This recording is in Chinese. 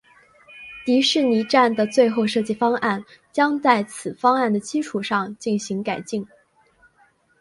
迪士尼站的最后设计方案将在此方案的基础上进行改进。